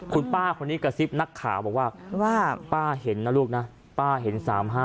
คุณป้าคนนี้กระซิบนักข่าวบอกว่าป้าเห็นนะลูกนะป้าเห็น๓๕